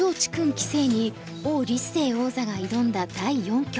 棋聖に王立誠王座が挑んだ第四局。